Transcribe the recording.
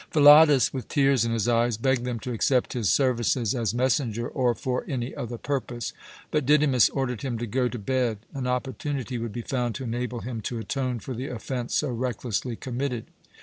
Philotas, with tears in his eyes, begged them to accept his services as messenger or for any other purpose; but Didymus ordered him to go to bed. An opportunity would be found to enable him to atone for the offence so recklessly committed.